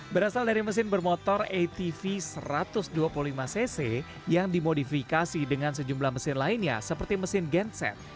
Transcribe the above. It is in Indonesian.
berasal dari mesin bermotor atv satu ratus dua puluh lima cc yang dimodifikasi dengan sejumlah mesin lainnya seperti mesin genset